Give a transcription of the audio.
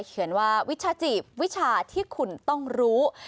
เขียนว่าวิชาจีบวิชาที่คุณต้องรู้